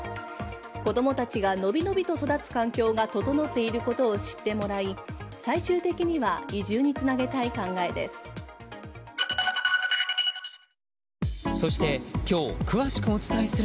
子供たちが伸び伸びと育つ環境が整っていることを知ってもらい最終的には移住につなげたい考えです。